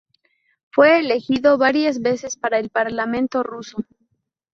Fue elegido varias veces para el parlamento ruso.